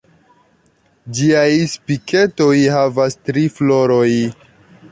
Ĝiaj Spiketoj havas tri floroj.